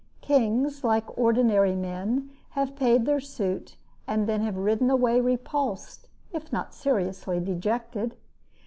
Kings, like ordinary men, have paid their suit and then have ridden away repulsed, yet not seriously dejected.